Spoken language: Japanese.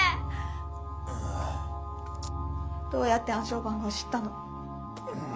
どうやって暗証番号を知ったの？